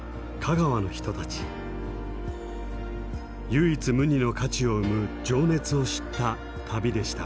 唯一無二の価値を生む情熱を知った旅でした。